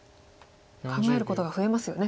考えることが増えますよね